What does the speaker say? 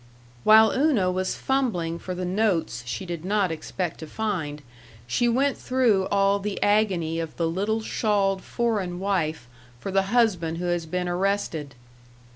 While Una was fumbling for the notes she did not expect to find, she went through all the agony of the little shawled foreign wife for the husband who has been arrested.